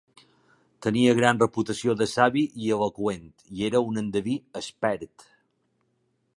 Tenia gran reputació de savi i eloqüent, i era un endeví expert.